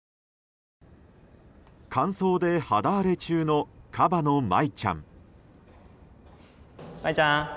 乾燥で肌荒れ中のカバのマイちゃん。